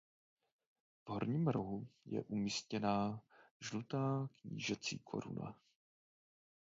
V horním rohu je umístěná žlutá knížecí koruna.